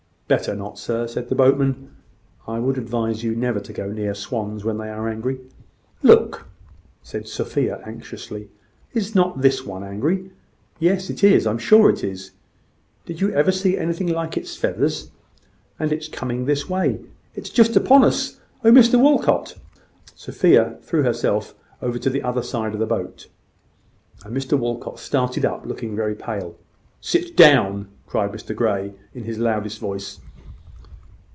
"Better not, sir," said the boatman. "I would advise you never to go near swans when they are angry." "Look!" said Sophia, anxiously. "Is not this one angry? Yes, it is: I am sure it is! Did you ever see anything like its feathers? and it is coming this way, it is just upon us! Oh, Mr Walcot!" Sophia threw herself over to the other side of the boat, and Mr Walcot started up, looking very pale. "Sit down!" cried Mr Grey, in his loudest voice.